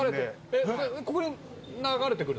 えっここに流れてくるの？